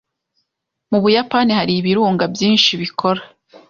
Mu Buyapani hari ibirunga byinshi bikora.